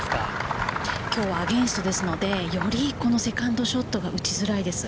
きょうはアゲンストですので、よりこのセカンドショットが打ちづらいです。